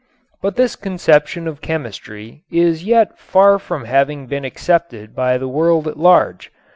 But this conception of chemistry is yet far from having been accepted by the world at large.